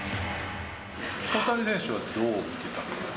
大谷選手をどう見てたんですか？